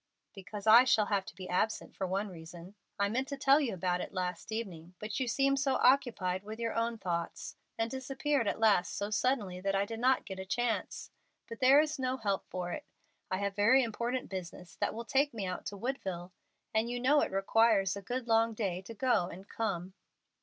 "Because I shall have to be absent, for one reason. I meant to tell you about it last evening, but you seemed so occupied with your own thoughts, and disappeared at last so suddenly, that I did not get a chance. But there is no help for it. I have very important business that will take me out to Woodville, and you know it requires a good long day to go and come."